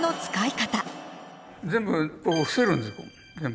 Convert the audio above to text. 全部伏せるんです。